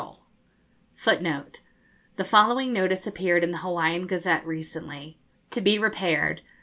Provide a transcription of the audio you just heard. [Footnote 15: The following notice appeared in the Hawaiian Gazette recently: 'TO BE REPAIRED.